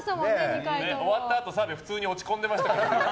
終わったあと澤部普通に落ち込んでましたから。